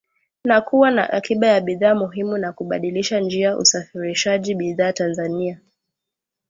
wa kuwa na akiba ya bidhaa muhimu na kubadilisha njia usafarishaji bidhaa Tanzania